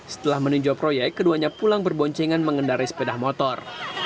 setelah meninjau proyek keduanya pulang berboncengan mengendari sepeda motor